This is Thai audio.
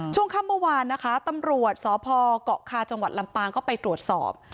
ช่วงค่ำเมื่อวานนะคะตำรวจสพเกาะคาจังหวัดลำปางก็ไปตรวจสอบ